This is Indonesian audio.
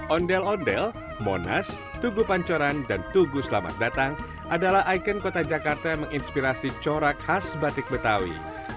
ondel ondel monas tugu pancoran dan tugu selamat datang adalah ikon kota jakarta yang menginspirasi corak khas batik betawi